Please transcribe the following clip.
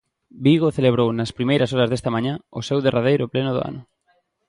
Vigo celebrou nas primeiras horas desta mañá o seu derradeiro pleno do ano.